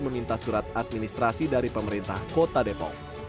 meminta surat administrasi dari pemerintah kota depok